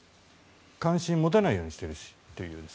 関心を持たないようにしているという。